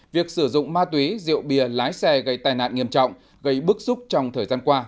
việc sử dụng ma túy rượu bia lái xe gây tai nạn nghiêm trọng gây bức xúc trong thời gian qua